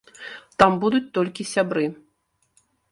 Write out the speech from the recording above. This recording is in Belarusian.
Там будуць толькі сябры.